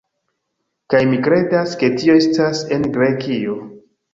Kaj mi kredas, ke tio estas en Grekio